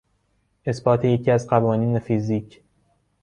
اثبات یکی از قوانین فیزیک